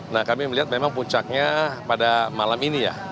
nah kami melihat memang puncaknya pada malam ini ya